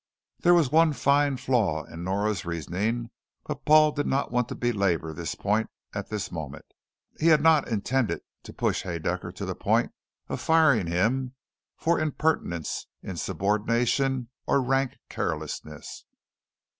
There was one very fine flaw in Nora's reasoning, but Paul did not want to belabor this point at this moment. He had not intended to push Haedaecker to the point of firing him for impertinence, insubordination, or rank carelessness.